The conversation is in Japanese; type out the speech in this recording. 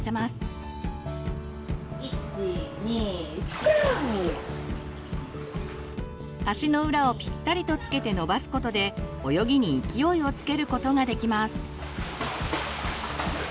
子どもの足の裏をピッタリとつけて伸ばすことで泳ぎに勢いをつけることができます。